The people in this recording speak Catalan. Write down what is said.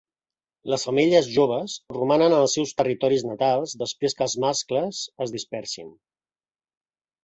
Les femelles joves romanen en els seus territoris natals després que els mascles es dispersin.